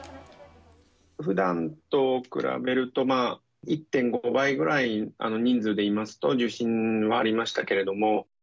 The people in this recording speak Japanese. ふだんと比べると、１．５倍ぐらい、人数で言いますと受診はありましたけれども。